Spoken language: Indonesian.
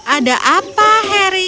ada apa harry